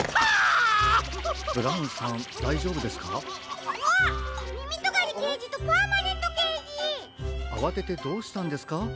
あわててどうしたんですか？